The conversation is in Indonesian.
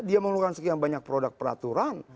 dia memerlukan sekian banyak produk peraturan